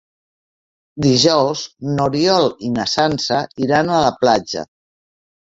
Dijous n'Oriol i na Sança iran a la platja.